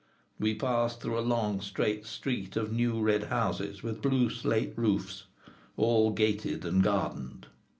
We passed through a long, straight street of new red houses with blue slate roofs, all gated and gardened.